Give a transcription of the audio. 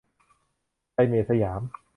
ไดเมท สยาม